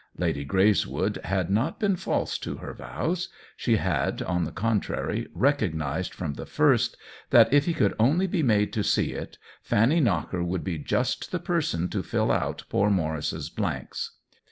Lady Greys wood had not been false to her vows; she had, on the contrary, recognized from the first that, if he could only be made to see it, Fanny Knocker would be just the person to fill out poor Maurice's blanks.